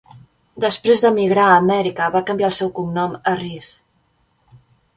Després d"emigrar a Amèrica, va canviar el seu cognom a Rhees.